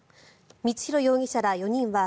光弘容疑者ら４人は